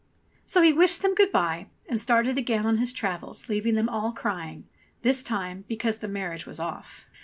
So he wished them good bye and started again on his travels, leaving them all crying ; this time because the mar riage was off